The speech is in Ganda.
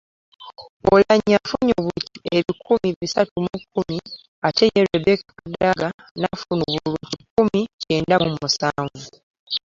Oulanyah afunye obululu ebikumi bisatu mu kkumi ate ye Rebecca Kadaga n’afuna obululu kikumi kyenda mu musanvu.